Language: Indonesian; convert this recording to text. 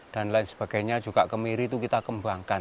dan lain sebagainya juga kemiri itu kita kembangkan